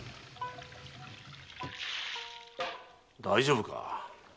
大丈夫か？